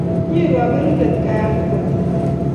Nyee kaberure gaa ya bwa toek